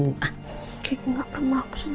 oke gue gak pernah maksud